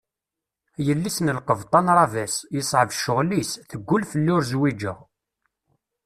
Yelli-s n lqebṭan Ravès, yeṣɛeb ccɣel-is, teggul fell-i ur zwiǧeɣ.